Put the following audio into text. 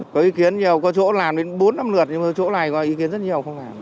có ý kiến nhiều có chỗ làm đến bốn năm lượt nhưng mà chỗ này có ý kiến rất nhiều không làm